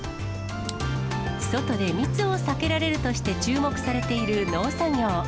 外で密を避けられるとして注目されている農作業。